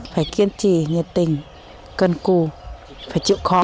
phải kiên trì nhiệt tình cân cù phải chịu khó